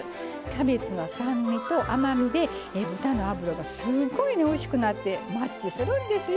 キャベツの酸味と甘みで豚の脂がすごいねおいしくなってマッチするんですよ。